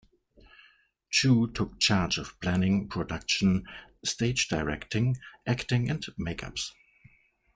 Chu took charge of planning, production, stage directing, acting, and makeups.